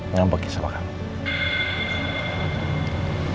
ngambekin sama kamu